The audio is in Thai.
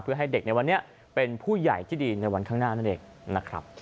เพื่อให้เด็กในวันนี้เป็นผู้ใหญ่ที่ดีในวันข้างหน้านั่นเองนะครับ